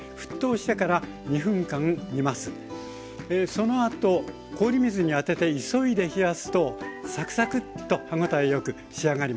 そのあと氷水に当てて急いで冷やすとサクサクッと歯応えよく仕上がります。